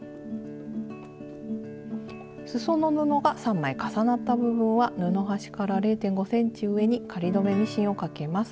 すその布が３枚重なった部分は布端から０．５ｃｍ上に仮留めミシンをかけます。